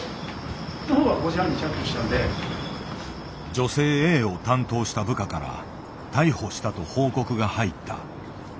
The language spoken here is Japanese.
女性Ａを担当した部下から逮捕したと報告が入った。